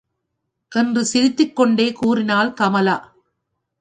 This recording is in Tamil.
என்று சிரித்துக்கொண்டே கூறினாள் கமலா.